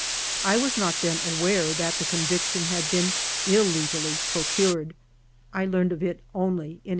I was not then aware that the con viction had been illegally procured ; I learned of it only in 1899.